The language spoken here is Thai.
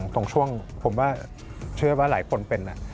ตรงช่วงผมว่าเชื่อว่าหลายคนเป็น